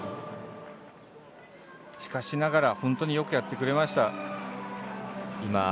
しかしながら本当によくやってくれました。